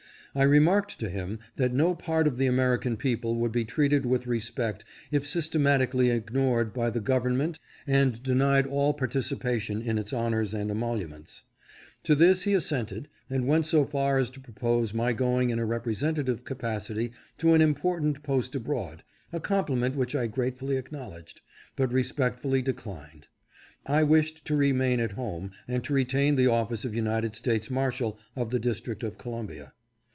I re marked to him, that no part of the American people would be treated with respect if systematically ignored by the government and denied all participation in its honors and emoluments. To this he assented, and went so far as to propose my going in a representative capacity to an 580 HIS INTENTION TO TAKE A STEP FORWARD. important post abroad — a compliment which I gratefully acknowledged, but respectfully declined. I wished to remain at home and to retain the office of United States Marshal of the District of Columbia.